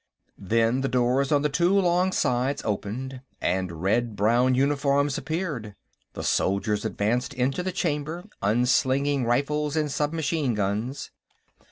Then the doors on the two long sides opened, and red brown uniforms appeared. The soldiers advanced into the Chamber, unslinging rifles and submachine guns.